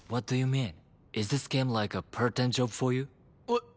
えっ？